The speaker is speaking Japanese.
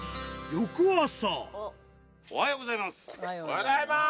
おはようございます。